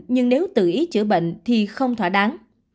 nhưng nếu tự ý chữa bệnh thì không thỏa đáng